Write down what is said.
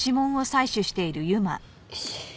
よし。